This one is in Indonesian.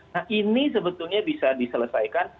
nah ini sebetulnya bisa diselesaikan